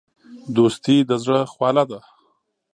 دوستي د زړه خواله ده.